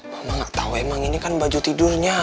mama gak tau emang ini kan baju tidurnya